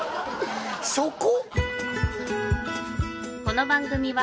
そこ？